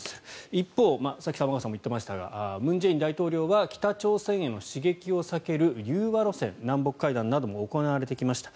一方、さっき玉川さんも言っていましたが文在寅大統領は北朝鮮への刺激を避ける融和路線南北会談なども行われてきました。